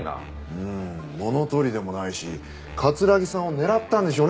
うーん物取りでもないし城さんを狙ったんでしょうね